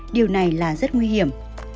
điều này là rất nguy hiểm